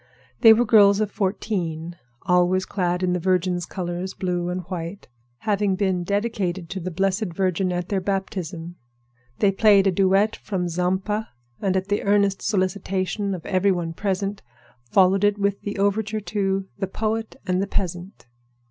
They were girls of fourteen, always clad in the Virgin's colors, blue and white, having been dedicated to the Blessed Virgin at their baptism. They played a duet from "Zampa," and at the earnest solicitation of every one present followed it with the overture to "The Poet and the Peasant."